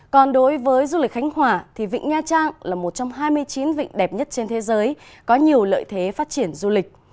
còn đối với du lịch khánh hòa thì vịnh nha trang là một trong hai mươi chín vịnh đẹp nhất trên thế giới có nhiều lợi thế phát triển du lịch